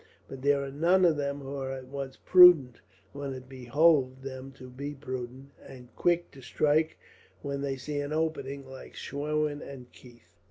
But there are none of them who are at once prudent when it behoved them to be prudent, and quick to strike when they see an opening, like Schwerin and Keith.